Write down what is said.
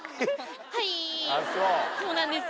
はいそうなんです。